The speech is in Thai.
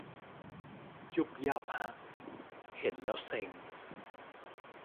ยุ่บยั่บฮะ เห็นแล้วเซ็ง